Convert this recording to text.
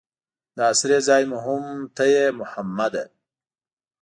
د اسرې ځای مو هم ته یې محمده.